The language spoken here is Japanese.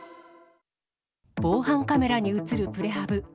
防犯カメラに写るプレハブ。